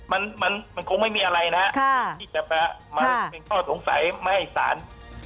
มันมันคงไม่มีอะไรนะฮะที่จะมาเป็นข้อสงสัยไม่ให้สาร